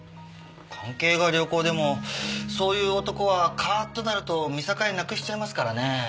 関係が良好でもそういう男はカッとなると見境なくしちゃいますからね。